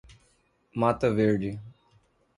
Mata Verde